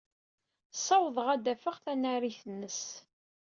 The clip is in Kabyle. Ssawḍeɣ ad d-afeɣ tanarit-nnes.